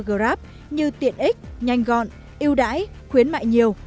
grab như tiện ích nhanh gọn ưu đãi khuyến mại nhiều